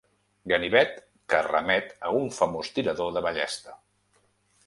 Ganivet que remet a un famós tirador de ballesta.